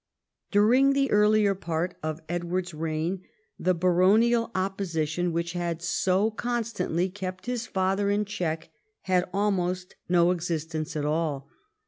During the earlier part of Edward's reign the baronial opposition, which had so constantly kept his father in check, had almost no existence at all.